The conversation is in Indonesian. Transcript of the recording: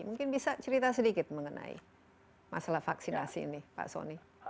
mungkin bisa cerita sedikit mengenai masalah vaksinasi ini pak soni